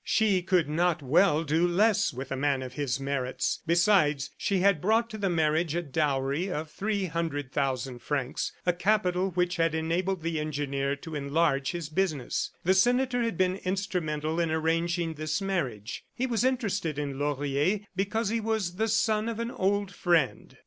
She could not well do less with a man of his merits. Besides, she had brought to the marriage a dowry of three hundred thousand francs, a capital which had enabled the engineer to enlarge his business. The senator had been instrumental in arranging this marriage. He was interested in Laurier because he was the son of an old friend.